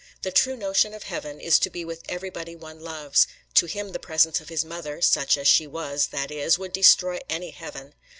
The true notion of heaven, is to be with everybody one loves: to him the presence of his mother such as she was, that is would destroy any heaven!